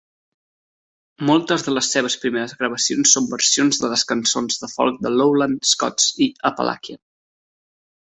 Moltes de les seves primeres gravacions són versions de les cançons de folk de Lowland Scots i Appalachian.